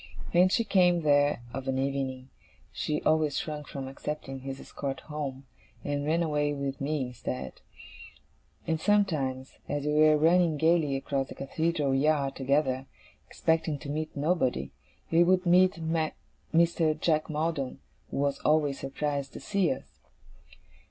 When she came there of an evening, she always shrunk from accepting his escort home, and ran away with me instead. And sometimes, as we were running gaily across the Cathedral yard together, expecting to meet nobody, we would meet Mr. Jack Maldon, who was always surprised to see us.